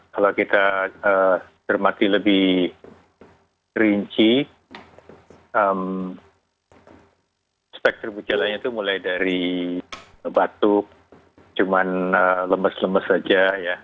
kalau kita termati lebih rinci spektrum gejalanya itu mulai dari batuk cuma lemes lemes saja ya